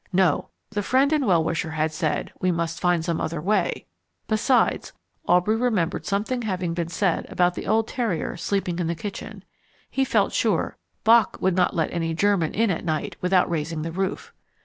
No, the friend and well wisher had said "We must find some other way." Besides, Aubrey remembered something having been said about the old terrier sleeping in the kitchen. He felt sure Bock would not let any German in at night without raising the roof.